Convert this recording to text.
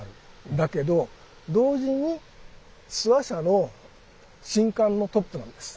だけど同時に諏訪社の神官のトップなんです。